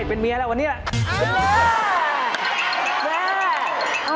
ตื่นขึ้นมาอีกทีตอน๑๐โมงเช้า